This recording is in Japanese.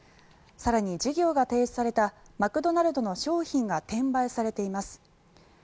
更に、事業が停止されたマクドナルドの商品が転売されています。